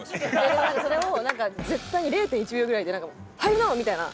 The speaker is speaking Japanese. でもなんかそれを絶対に０．１秒ぐらいではいＵＮＯ！みたいな。